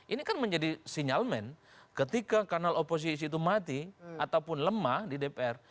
ini kan menjadi sinyalmen ketika kanal oposisi itu mati ataupun lemah di dpr